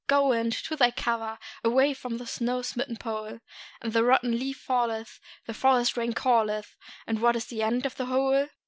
Go, wind, to thy cover Away by the snow smitten Pole! The rotten leaf falleth, the forest rain calleth; And what is the end of the whole?